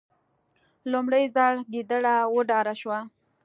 لومړی ځل ګیدړه وډار شوه.